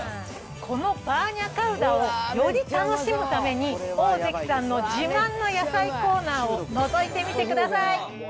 このバーニャカウダをより楽しむために、オオゼキさんの自慢の野菜コーナーをのぞいてみてください。